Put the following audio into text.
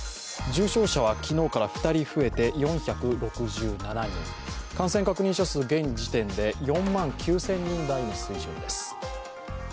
重症者は昨日から２人増えて４６７人、感染確認者数現時点で４万９０００人台の水準です。